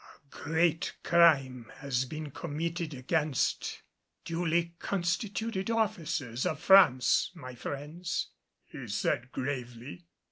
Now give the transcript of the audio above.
"A great crime has been committed against duly constituted officers of France, my friends," he said gravely.